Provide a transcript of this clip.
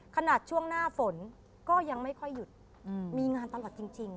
ขนาดช่วงหน้าฝนก็ยังไม่ค่อยหยุดมีงานตลอดจริง